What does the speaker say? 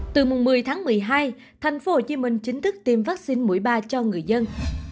từ mùng một mươi tháng một mươi hai thành phố hồ chí minh chính thức tiêm vaccine mũi ba cho người dân